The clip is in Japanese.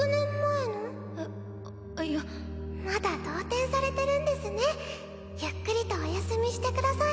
いやまだ動転されてるんゆっくりとお休みしてください